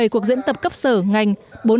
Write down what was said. bảy cuộc diễn tập cấp sở ngành